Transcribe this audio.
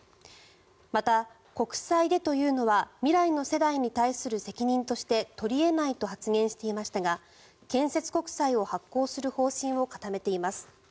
また、国債でというのは未来の世代に対する責任として取り得ないと発言していましたが建設国債を発行する方針を固めています。